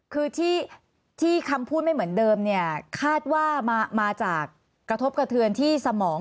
คือที่คำพูดไม่เหมือนเดิมเนี่ยคาดว่ามาจากกระทบกระเทือนที่สมอง